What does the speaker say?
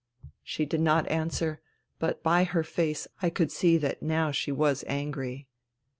She did not answer, but by her face I could see that now she was angry.